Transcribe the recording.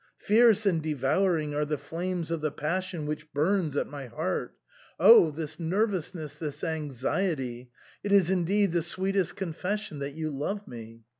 Fierce and devouring are the flames of the passion which burns at my heart. Oh ! this nervousness, this anxiety — it is indeed the sweetest confession that you love me."